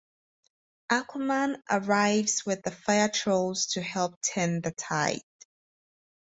Aquaman arrives with the Fire Trolls to help turn the tide.